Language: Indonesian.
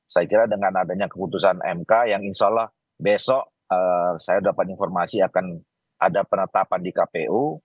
saya kira dengan adanya keputusan mk yang insya allah besok saya dapat informasi akan ada penetapan di kpu